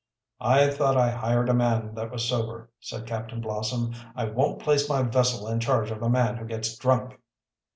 "I thought I hired a man that was sober," said Captain Blossom. "I won't place my vessel in charge of a man who gets drunk."